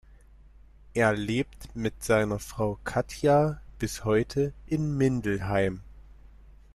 Er lebt mit seiner Frau Katja bis heute in Mindelheim.